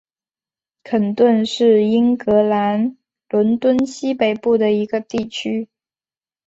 肯顿是英格兰伦敦西北部的一个地区。